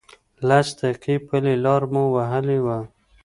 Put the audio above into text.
لس دقیقې پلی لاره مو وهلې وه.